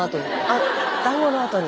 あっだんごのあとに。